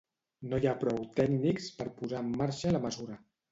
No hi ha prou tècnics per posar en marxa la mesura.